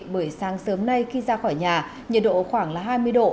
bởi sáng sớm nay khi ra khỏi nhà nhiệt độ khoảng hai mươi độ